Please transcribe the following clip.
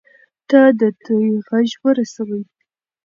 ته د دوى غږ ورسوي.